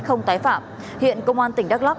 không tái phạm hiện công an tỉnh đắk lắc